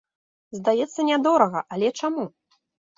Здаецца нядорага, але чаму?